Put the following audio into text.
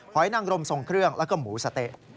อยนังรมทรงเครื่องแล้วก็หมูสะเต๊ะ